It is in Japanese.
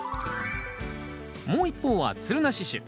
もう一方はつるなし種。